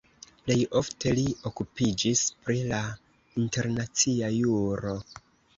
Plej ofte li okupiĝis pri la internacia juro.